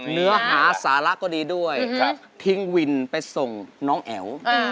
เนื้อหาสาระก็ดีด้วยทิ้งวินไปส่งน้องแอ๋ว